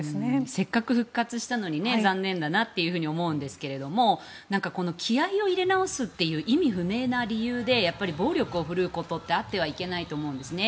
せっかく復活したのに残念だなと思うんですけれどもこの気合を入れ直すという意味不明な理由で暴力を振るうことはあってはいけないと思うんですね。